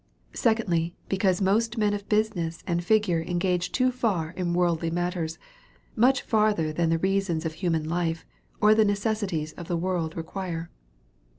Secondly, Because most men of business and figure engage too far in worldly matters ; much farther than tlie reasons of hunian life, or the necessities of the world require.